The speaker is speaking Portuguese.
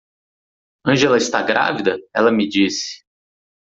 Angela está grávida? ela me disse.